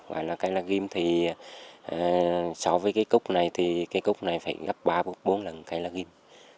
gọi là cây lá ghim thì so với cây cúc này thì cây cúc này phải gấp ba bốn lần cây là ghim